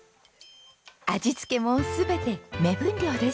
味付けも全て目分量です。